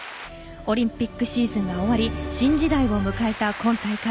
オリンピックシーズンが終わり新時代を迎えた今大会。